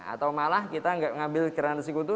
atau malah kita enggak ngambil granat sekutu